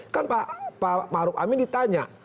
kan pak maruf amin ditanya